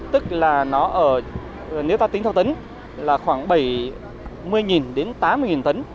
tức là nó ở nếu ta tính theo tấn là khoảng bảy mươi đến tám mươi tấn